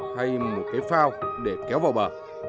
hay một cái phao để kéo vào bờ